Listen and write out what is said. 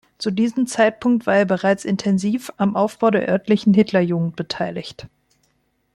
Zu diesem Zeitpunkt war er bereits intensiv am Aufbau der örtlichen Hitlerjugend beteiligt.